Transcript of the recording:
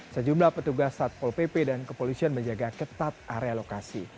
sejumlah petugas satpol pp dan kepolisian menjaga ketat area lokasi